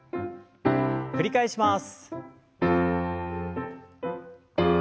繰り返します。